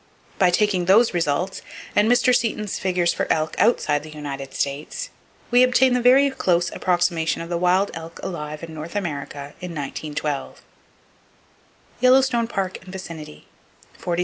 By taking those results, and Mr. Seton's figures for elk outside the United States, we obtain the following very close approximation of the wild elk alive in North America in 1912: Locality Number Authority Yellowstone Park and vicinity 47,000 U.S.